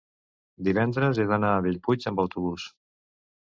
divendres he d'anar a Bellpuig amb autobús.